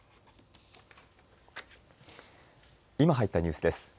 今入ったニュースです。